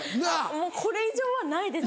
もうこれ以上はないです。